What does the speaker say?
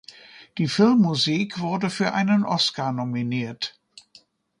Die Filmmusik wurde für einen Oscar nominiert.